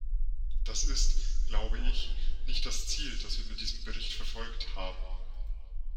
Das ist, glaube ich, nicht das Ziel, das wir mit diesem Bericht verfolgt haben.